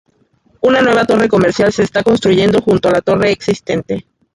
Una nueva torre comercial se está construyendo junto a la torre existente.